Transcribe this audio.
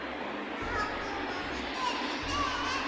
あーぷんもみてみて！